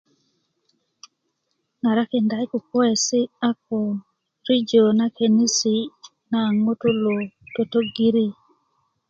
ŋarakinda i kukuwesi a ko rijo na kenisi naŋ ŋutulu totogiri